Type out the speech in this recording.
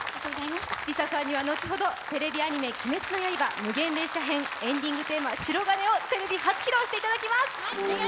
ＬｉＳＡさんには後ほど「鬼滅の刃」エンディングテーマ「白銀」をテレビ初披露していただきます。